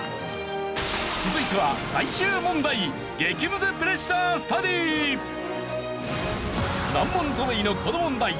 続いては最終問題難問ぞろいのこの問題。